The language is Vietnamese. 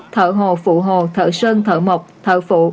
thợ hồ phụ hồ thợ sơn thợ mộc thợ phụ